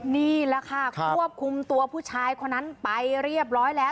นี่แหละค่ะควบคุมตัวผู้ชายคนนั้นไปเรียบร้อยแล้ว